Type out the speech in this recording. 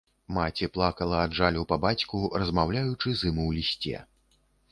Маці плакала ад жалю па бацьку, размаўляючы з ім у лісце.